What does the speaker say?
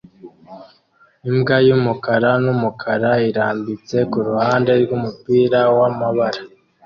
Imbwa yumukara numukara irambitse kuruhande rwumupira wamabara